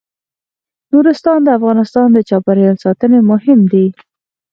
نورستان د افغانستان د چاپیریال ساتنې لپاره مهم دي.